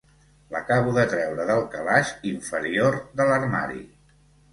L'acabo de treure del calaix inferior de l'armari.